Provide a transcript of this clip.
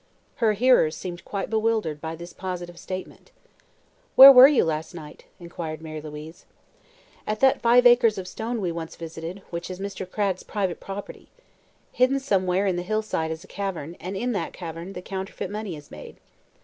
Her hearers seemed quite bewildered by this positive statement. "Where were you last night?" inquired Mary Louise. "At that five acres of stones we once visited, which is Mr. Cragg's private property. Hidden somewhere in the hillside is a cavern, and in that cavern the counterfeit money is made.